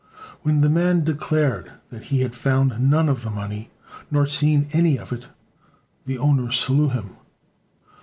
When the man declared that he had found none of the money nor seen any of it, the owner slew him.